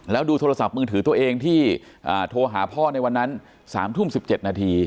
แล้วดูโทรศัพท์มือถือตัวเองที่โทรหาพ่อในวันนั้น๓ทุ่ม๑๗นาที